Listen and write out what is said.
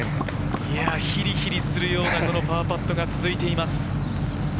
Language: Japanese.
ヒリヒリするようなパーパットが続いています。